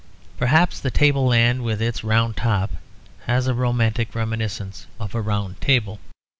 Perhaps the table land with its round top has a romantic reminiscence of a round table.